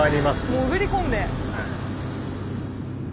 もう潜り込んで。